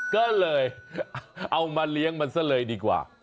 ก็เลยเอามาเลี้ยงมันซะเลยดีกว่า